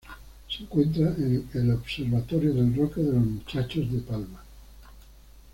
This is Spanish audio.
Se encuentra en Observatorio del Roque de los Muchachos de La Palma.